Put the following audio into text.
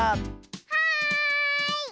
はい！